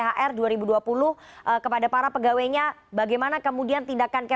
memang yang belum menutupi memang yang belum menutupi memang yang belum menutupi memang yang belum menutupi